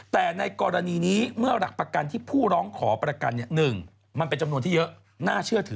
แต่ในกรณีนี้เมื่อหลักประกันที่ผู้ร้องขอประกัน